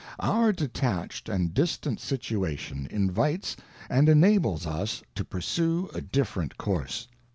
Our detached and distant situation invites and enables us to pursue a different course.